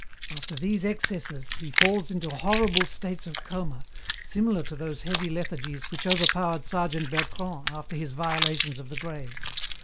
After these excesses he falls into horrible states of coma, similar to those heavy lethargies which overpowered Sergeant Bertrand after his violations of the grave.